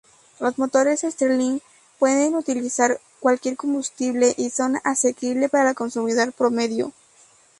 Los motores stirling pueden utilizar cualquier combustible y son asequible para el consumidor promedio.